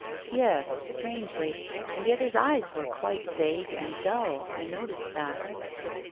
" Yes, strangely. And yet his eyes were quite vague and dull. I noticed that."